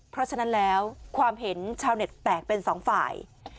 เพราะฉะนั้นแล้วความเห็นชาวเน็ตแตกเป็นสองฝ่าย